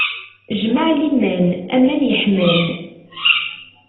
Jmaɛliman, aman yeḥman!